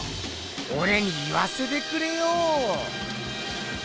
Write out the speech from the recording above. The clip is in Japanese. おれに言わせてくれよ。